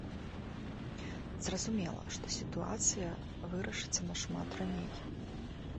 Зразумела, што сітуацыя вырашыцца нашмат раней.